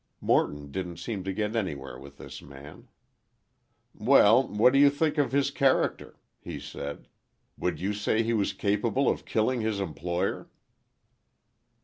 Morton didn't seem to get anywhere with this man. "Well, what do you think of his character?" he said. "Would you say he was capable of killing his employer?"